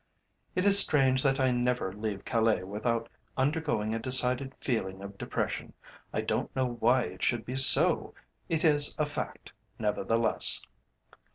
"It is strange that I never leave Calais without undergoing a decided feeling of depression. I don't know why it should be so; it is a fact, nevertheless."